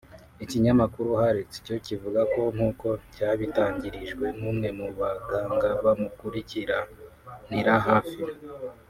Ikinyamakuru Haaretz cyo kivuga ko nk’uko cyabitangarijwe n’umwe mu baganga bamukurikiranira hafi